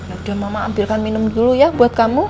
ada mama ambilkan minum dulu ya buat kamu